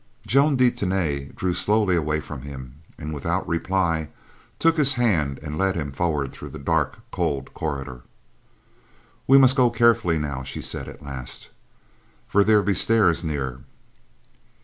Joan de Tany drew slowly away from him, and without reply, took his hand and led him forward through a dark, cold corridor. "We must go carefully now," she said at last, "for there be stairs near."